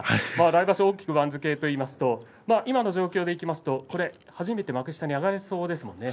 来場所、大きく番付といいますと今の状況でいきますと初めて幕下に上がるそうですね。